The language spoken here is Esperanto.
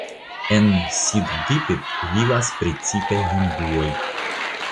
En Siddipet vivas precipe hinduoj.